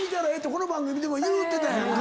この番組でも言うてたやんか。